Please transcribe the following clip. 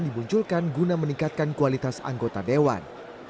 dimunculkan guna meningkatkan kualitas anggota dewan